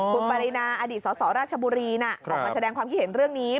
คุณปรินาอดีตสสราชบุรีออกมาแสดงความคิดเห็นเรื่องนี้